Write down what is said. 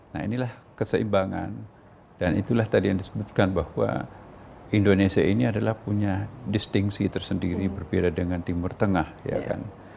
nah inilah keseimbangan dan itulah tadi yang disebutkan bahwa indonesia ini adalah punya distingsi tersendiri berbeda dengan timur tengah ya kan